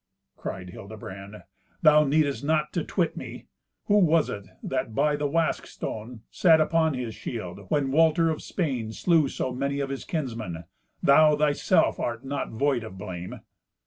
Cried Hildebrand, "Thou needest not to twit me. Who was it that, by the wask stone, sat upon his shield when Walter of Spain slew so many of his kinsmen? Thou, thyself, art not void of blame."